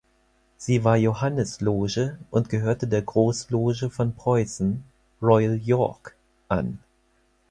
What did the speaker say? Sie war Johannisloge und gehörte der Großloge von Preußen "Royal York" an.